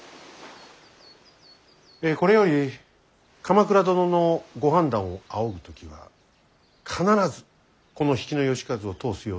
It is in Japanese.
これより鎌倉殿のご判断を仰ぐ時は必ずこの比企能員を通すようにお願いいたす。